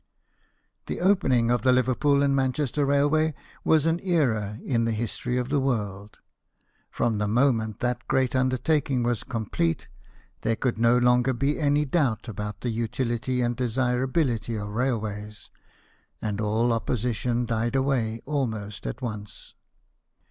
The opening of the Liverpool and Man chester railway was an era in the history of the world. From the moment that great under taking was complete, there could no longer be any doubt about the utility and desirability of railv/ays, and all opposition died away almost at o ice.